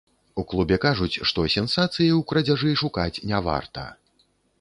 У клубе кажуць, што сенсацыі ў крадзяжы шукаць не варта.